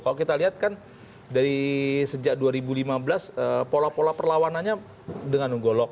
kalau kita lihat kan dari sejak dua ribu lima belas pola pola perlawanannya dengan menggolok